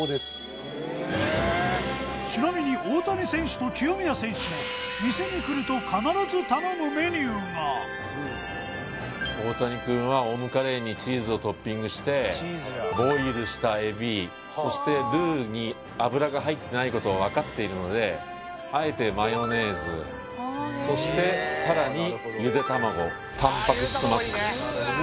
ちなみに大谷選手と清宮選手も店に来ると必ず頼むメニューが大谷くんはオムカレーにチーズをトッピングしてボイルしたエビそしてルーに脂が入ってないことを分かっているのであえてマヨネーズそしてさらにゆで卵タンパク質ＭＡＸ